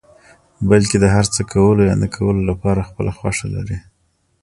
بلکې د هر څه کولو يا نه کولو لپاره خپله خوښه لري.